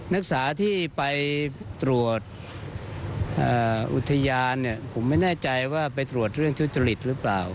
นักศึกษาที่ไปตรวจอุทยานผมไม่แน่ใจว่าไปตรวจเรื่องทุจริตหรือเปล่า